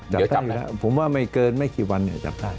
จับแล้วผมว่าไม่เกินไม่กี่วันเนี่ยจับได้